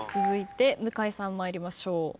続いて向井さん参りましょう。